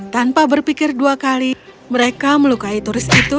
tanpa berpikir dua kali mereka melukai turis itu